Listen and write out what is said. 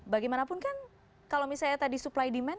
bagaimanapun kan kalau misalnya tadi supply demand